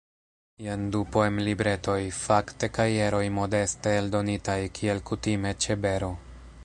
Jen du poemlibretoj, fakte kajeroj modeste eldonitaj, kiel kutime ĉe Bero.